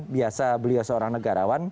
biasa beliau seorang negarawan